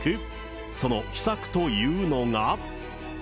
その秘策というのが。